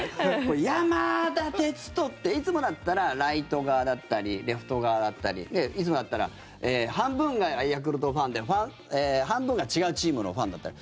いつもだったらライト側だったりレフト側だったりいつもだったら半分がヤクルトファンで半分が違うチームのファンだったり。